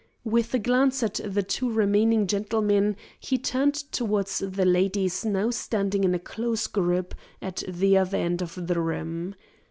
With a glance at the two remaining gentlemen, he turned towards the ladies now standing in a close group at the other end of the room.